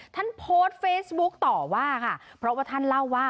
ท่านโพสต์เฟซบุ๊กต่อว่าค่ะเพราะว่าท่านเล่าว่า